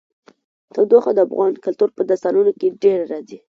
تودوخه د افغان کلتور په داستانونو کې ډېره راځي.